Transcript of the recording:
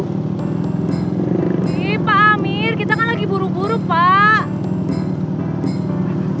ini pak amir kita kan lagi buru buru pak